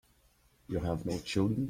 You have no children.